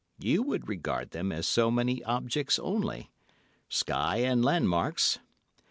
You would regard them as so many objects only—sky and land marks.